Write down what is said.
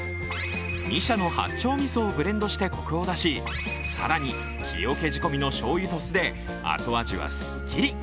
２社の八丁みそをブレンドしてコクを出し更に、木おけ仕込みのしょうゆと酢で後味はすっきり。